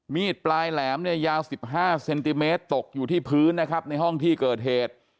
มีดปลายแหลมเนี่ยยาว๑๕เซนติเมตรตกอยู่ที่พื้นนะครับในห้องที่เกิดเหตุ